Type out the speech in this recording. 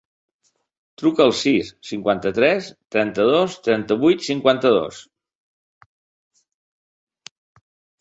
Truca al sis, cinquanta-tres, trenta-dos, trenta-vuit, cinquanta-dos.